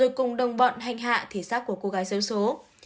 rồi cùng đồng bọn hành hạ thể xác của cô gái sâu số